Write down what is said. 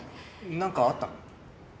なんかあったの？